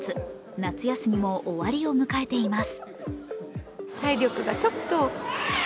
夏休みも終わりを迎えています。